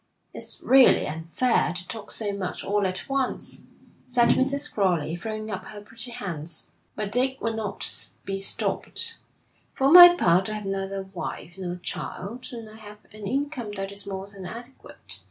'It's really unfair to talk so much all at once,' said Mrs. Crowley, throwing up her pretty hands. But Dick would not be stopped. 'For my part I have neither wife nor child, and I have an income that is more than adequate.